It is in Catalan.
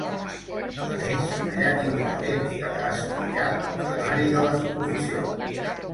A més, allà tindrà temps per a estudiar el temari de les oposicions.